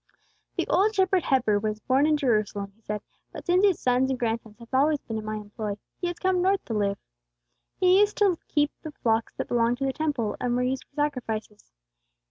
"This old shepherd Heber was born in Bethlehem," he said; "but since his sons and grandsons have been in my employ, he has come north to live. He used to help keep the flocks that belonged to the Temple, and that were used for sacrifices.